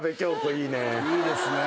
いいですね。